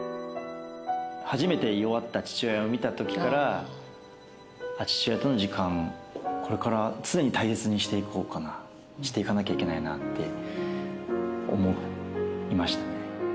初めて弱った父親を見た時から、父親との時間、これから常に大切にしていこうかな、していかなきゃいけないなって思いましたね。